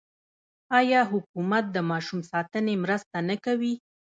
آیا حکومت د ماشوم ساتنې مرسته نه کوي؟